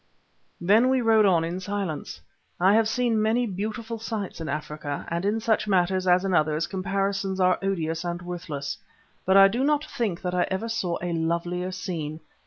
Then we rode on in silence. I have seen many beautiful sights in Africa, and in such matters, as in others, comparisons are odious and worthless, but I do not think that I ever saw a lovelier scene.